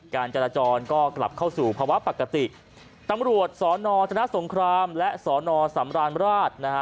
การจราจรก็กลับเข้าสู่ภาวะปกติตำรวจสอนอธนสงครามและสอนอสำราญราชนะฮะ